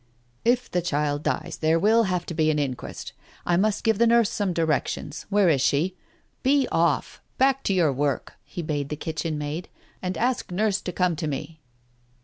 " If the child dies there will have to be an inquest. I must give the nurse some directions. Where is she? Be off, back to your work !" he bade the kitchen maid, "and ask Nurse to come to me."